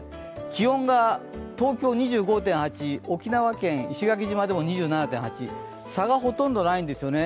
気温が東京は２５．８度、沖縄県石垣島でも２７．８、差がほとんどないんですよね。